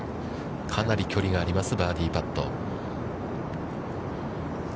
かなり距離があります、バーディーパット。